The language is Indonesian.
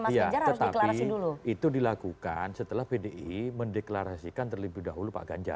iya tetapi itu dilakukan setelah pdi mendeklarasikan terlebih dahulu pak ganjar